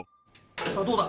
さあどうだ？